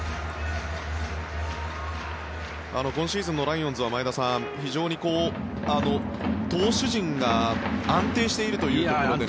今シーズンもライオンズは前田さん、非常に投手陣が安定しているというところで。